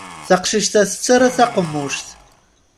Taqcict-a tettarra taqemmuct.